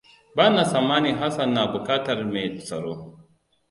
Bana tsammanin Hassan na bukatar me tsaro.